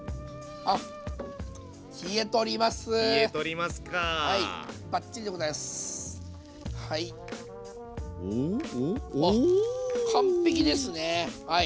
あっ完璧ですねはい。